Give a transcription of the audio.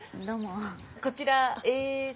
こちらえと。